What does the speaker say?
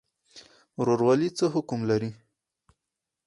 ورورولي څه حکم لري؟